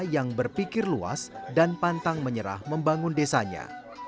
yang berpikir luas dan pantang menyerah membangun desanya